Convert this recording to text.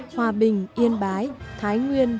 hòa bình yên bái thái nguyên